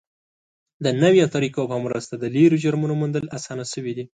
د نویو طریقو په مرسته د لرې جرمونو موندل اسانه شوي دي.